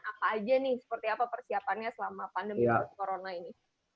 apa aja nih seperti apa persiapannya selama pandemi corona ini